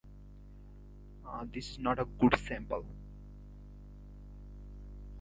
Its name originates from the Tasman Sea which lies between the two countries.